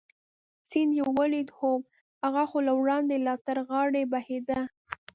سیند دې ولید؟ هو، هغه خو له وړاندې لا تر غاړې بهېده.